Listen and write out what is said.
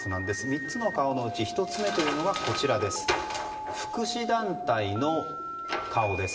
３つの顔のうち１つ目は福祉団体の顔です。